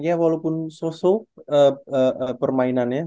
ya walaupun sosok permainannya